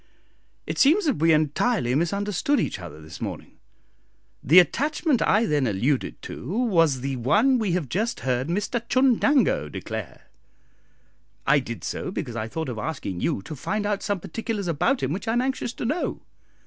It seems that we entirely misunderstood each other this morning. The attachment I then alluded to was the one you have just heard Mr Chundango declare. I did so, because I thought of asking you to find out some particulars about him which I am anxious to know.